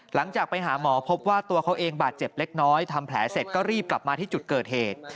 หลังจากไปหาหมอพบว่าตัวเขาเองบาดเจ็บเล็กน้อยทำแผลเสร็จก็รีบกลับมาที่จุดเกิดเหตุ